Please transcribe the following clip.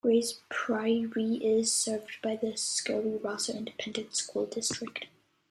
Grays Prairie is served by the Scurry-Rosser Independent School District.